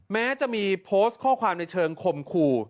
แม้จะมีโพสต์ข้อความในเชิงคมขู่